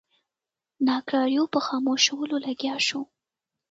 ناکراریو په خاموشولو لګیا شو.